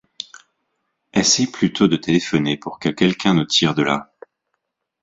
Essaie plutôt de téléphoner pour que quelqu’un nous tire de là !